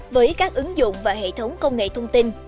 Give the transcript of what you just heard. với các ứng dụng và hệ thống công nghệ thông tin